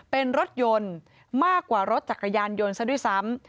เป็นรถยนต์มากกว่ารถจักรยานยนต์ซะด้วยซ้ำ